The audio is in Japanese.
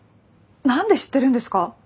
何で知ってるんですか！？